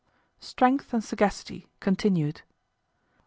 Strength and Sagacity—Continued.